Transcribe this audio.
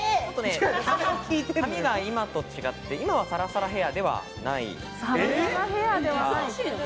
髪が今と違って、今はサラサラヘアーではない。